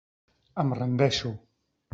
Em rendeixo.